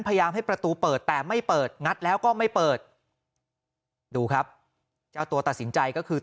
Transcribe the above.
พยายามให้ประตูเปิดแต่ไม่เปิดงัดแล้วก็ไม่เปิดดูครับเจ้าตัวตัดสินใจก็คือ